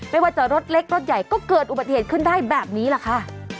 ไม่ว่าจะรถเล็กรถใหญ่ก็เกิดอุบัติเหตุขึ้นได้แบบนี้แหละค่ะ